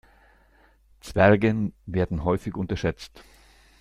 Zwergen werden häufig unterschätzt.